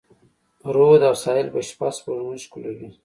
رود او ساحل به شپه، سپوږمۍ ښکلوي